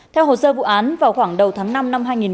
theo hồ sơ vụ án vào khoảng đầu tháng năm năm hai nghìn một mươi sáu